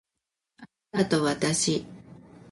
あなたとわたし